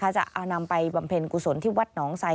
จะเอานำไปบำเพ็ญกุศลที่วัดหนองไซ